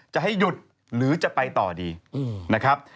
จะให้หยุดหรือจะไปต่อดีนะครับ